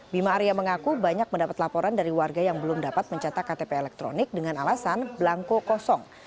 bima arya mengaku banyak mendapat laporan dari warga yang belum dapat mencetak ktp elektronik dengan alasan belangko kosong